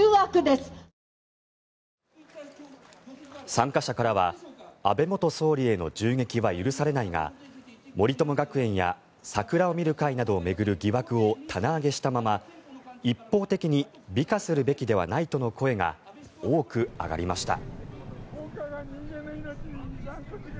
参加者からは安倍元総理への銃撃は許されないが森友学園や桜を見る会などを巡る疑惑を棚上げしたまま一方的に美化するべきではないとの声が多く上がりました。